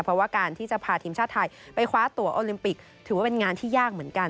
เพราะว่าการที่จะพาทีมชาติไทยไปคว้าตัวโอลิมปิกถือว่าเป็นงานที่ยากเหมือนกัน